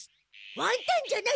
ワンタンじゃない！